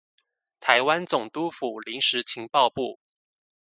臺灣總督府臨時情報部